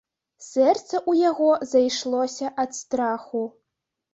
Сэрца ў яго зайшлося ад страху.